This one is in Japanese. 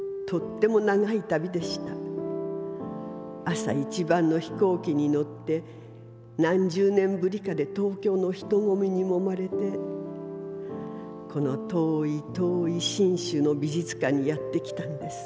朝一番の飛行機にのって何十年ぶりかで東京の人混みにもまれてこの遠い遠い信州の美術館にやって来たんです。